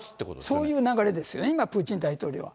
そういう流れですよね、今、プーチン大統領は。